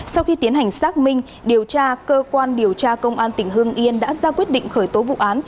sau khi tiến hành xác minh cơ quan điều tra công an tỉnh hưng yên đã ra quyết định khởi tố vụ án